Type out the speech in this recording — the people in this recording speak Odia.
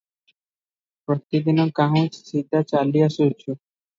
ପ୍ରତିଦିନ କାହୁଁ ସିଦା ଚାଲି ଆସୁଛି ।